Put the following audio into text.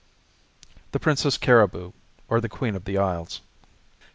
THE PRINCESS CARIBOO; OR, THE QUEEN OF THE ISLES.